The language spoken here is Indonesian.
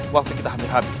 waktu kita hampir habis